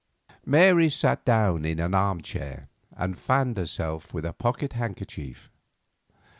Mary sat down in an armchair, and fanned herself with a pocket handkerchief.